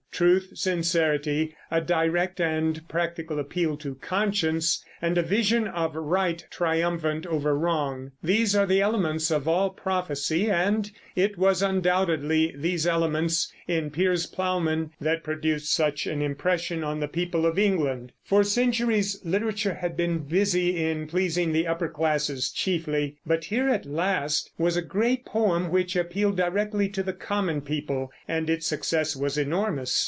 Truth, sincerity, a direct and practical appeal to conscience, and a vision of right triumphant over wrong, these are the elements of all prophecy; and it was undoubtedly these elements in Piers Plowman that produced such an impression on the people of England. For centuries literature had been busy in pleasing the upper classes chiefly; but here at last was a great poem which appealed directly to the common people, and its success was enormous.